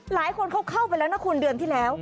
หลายคนเขาเข้าไปแล้วนะคุณเดือนที่แล้ว